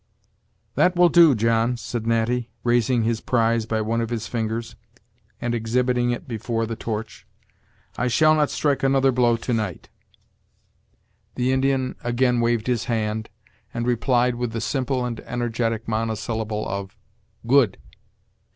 "That will do, John," said Natty, raising his prize by one of his fingers, and exhibiting it before the torch; "I shall not strike another blow to night." The Indian again waved his hand, and replied with the simple and energetic monosyllable of: "Good."